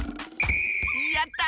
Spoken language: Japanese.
やった！